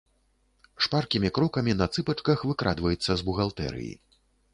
Шпаркімі крокамі на цыпачках выкрадваецца з бухгалтэрыі.